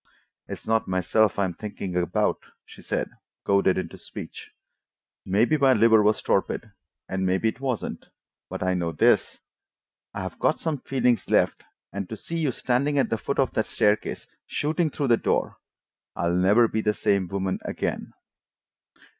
"It's not myself I'm thinking about," she said, goaded into speech. "Maybe my liver was torpid, and maybe it wasn't; but I know this: I've got some feelings left, and to see you standing at the foot of that staircase shootin' through the door—I'll never be the same woman again."